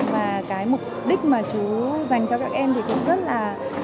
và cái mục đích mà chú dành cho các em thì cũng rất là